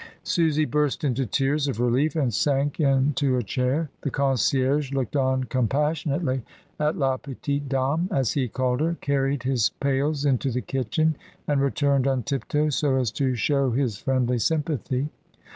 Susy burst into tears of relief, and sank into a chair. The concierge looked on compassionately at la petite dame as he called her, carried his pails into the kitchen, and returned on tip toe, so as to 256 MRS. DYMOND. show his friendly sympathy.